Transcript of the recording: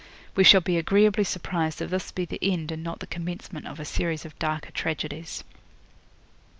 'We shall be agreeably surprised if this be the end and not the commencement of a series of darker tragedies.'